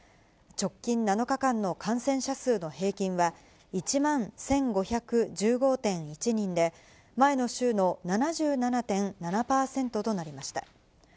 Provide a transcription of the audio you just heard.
直近７日間の感染者数の平均は、１万１５１５．１人で、前の週の７７．７％となりました。